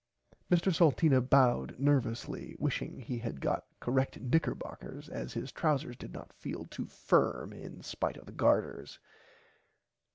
Mr Salteena bowed nervously wishing he had got correct knickerbockers as his trousers did not feel too firm in spite of the garters.